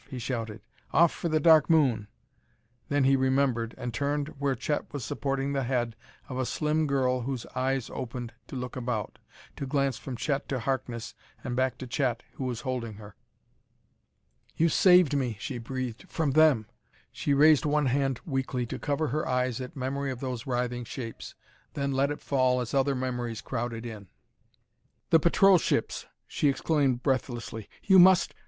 he shouted. "Off for the Dark Moon!" Then he remembered, and turned where Chet was supporting the head of a slim girl whose eyes opened to look about, to glance from Chet to Harkness and back to Chet who was holding her. "You saved me," she breathed, "from them!" She raised one hand weakly to cover her eyes at memory of those writhing shapes, then let it fall as other memories crowded in. "The patrol ships!" she exclaimed breathlessly. "You must...."